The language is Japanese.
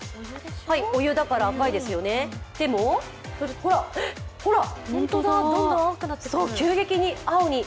お湯だから赤いですよね、でも急激に青に。